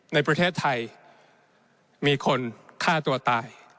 ในประเทศไทยมีคนฆ่าตัวตาย